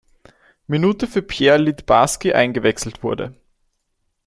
Minute für Pierre Littbarski eingewechselt wurde.